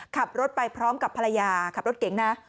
ขับรถไปพร้อมกับภรรยาขับรถเก๋งนะ